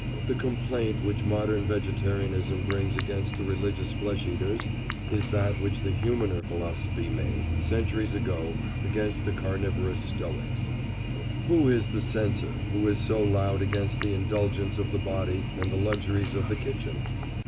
The complaint which modern vegetarianism brings against the religious flesh eaters is that which the humaner philosophy made, centuries ago, against the carnivorous stoics: "Who is this censor who is so loud against the indulgence of the body and the luxuries of the kitchen?